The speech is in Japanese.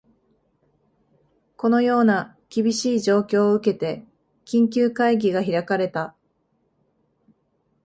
このような厳しい状況を受けて、緊急会議が開かれた